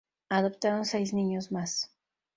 Adoptaron seis niños más.